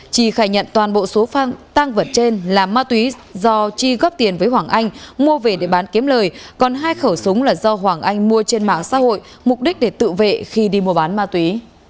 chi khai nhận toàn bộ số phang tăng vật trên là ma túy do chi góp tiền với hoàng anh mua về để bán kiếm lời còn hai khẩu súng là do hoàng anh mua trên mạng xã hội mục đích để tự vệ khi đi mua bán ma túy